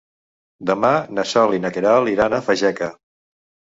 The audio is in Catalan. Demà na Sol i na Queralt iran a Fageca.